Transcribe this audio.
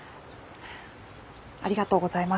ありがとうございます。